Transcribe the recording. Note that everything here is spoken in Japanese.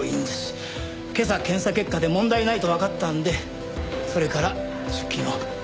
今朝検査結果で問題ないとわかったんでそれから出勤を。